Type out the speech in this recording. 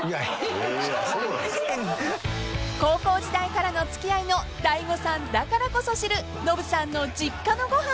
［高校時代からの付き合いの大悟さんだからこそ知るノブさんの実家のご飯］